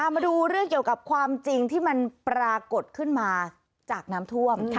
มาดูเรื่องเกี่ยวกับความจริงที่มันปรากฏขึ้นมาจากน้ำท่วม